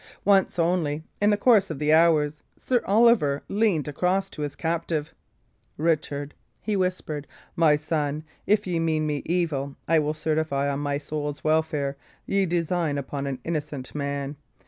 Once only, in the course of the hours, Sir Oliver leaned across to his captive. "Richard," he whispered, "my son, if ye mean me evil, I will certify, on my soul's welfare, ye design upon an innocent man.